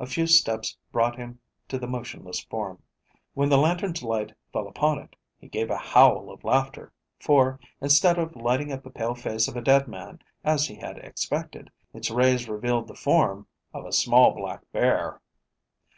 A few steps brought him to the motionless form. When the lantern's light fell upon it, he gave a howl of laughter, for, instead of lighting up the pale face of a dead man, as he had expected, its rays revealed the form of a small black bear.